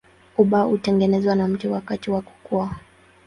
Ubao hutengenezwa na mti wakati wa kukua.